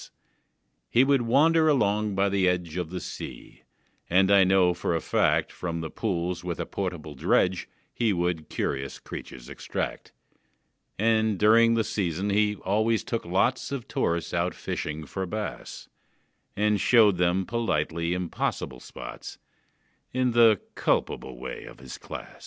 He would wander along by the edge Of the sea, and I know for a fact From the pools with a portable dredge He would curious creatures extract: And, during the season, he always took lots Of tourists out fishing for bass, And showed them politely impossible spots, In the culpable way of his class.